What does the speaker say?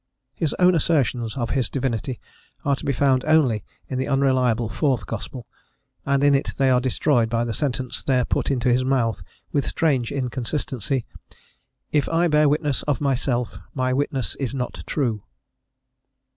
His own assertions of his divinity are to be found only in the unreliable fourth gospel, and in it they are destroyed by the sentence there put into his mouth with strange inconsistency: "If I bear witness of myself, my witness is not true."